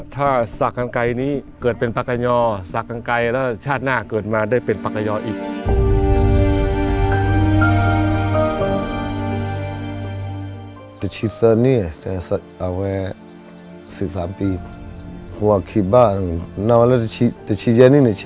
ถ้าสักกันไกลนี้เกิดเป็นปากกะยอสักกันไกลแล้วชาติหน้าเกิดมาได้เป็นปากกะยออีก